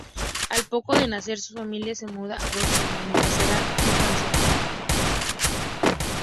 Al poco de nacer, su familia se muda a Boston donde pasará su infancia.